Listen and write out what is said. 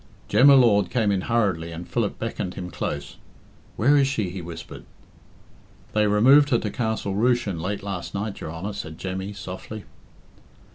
Jem y Lord came in hurriedly and Philip beckoned him close. "Where is she?" he whispered. "They removed her to Castle Rushen late last night, your Honour," said Jemmy softly.